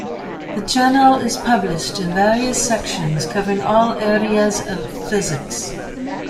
The journal is published in various sections, covering all areas of physics.